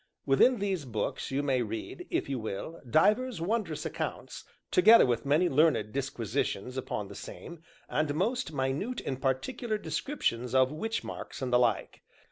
Within these books you may read (if you will) divers wondrous accounts, together with many learned disquisitions upon the same, and most minute and particular descriptions of witch marks and the like.